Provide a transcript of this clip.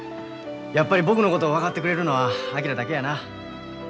やっぱり僕のことを分かってくれるのは昭だけやな。